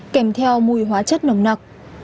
kèm theo mùi hóa chất nồng nặc